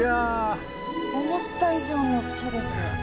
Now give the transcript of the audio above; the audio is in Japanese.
思った以上におっきいです！